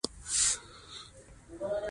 دریابونه د افغانستان د شنو سیمو ښکلا ده.